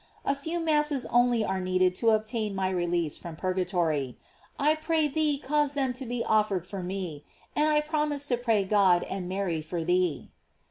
A few masses only are needed to obtain my release from purgatory. I pray thee cause them to be offered for me, and I promise to pray God and Mary for thee."